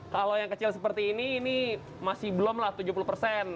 kalau yang kecil seperti ini ini masih belum lah tujuh puluh persen